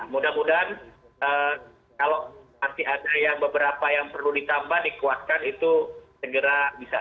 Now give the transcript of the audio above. mudah mudahan kalau masih ada yang beberapa yang perlu ditambah dikuatkan itu segera bisa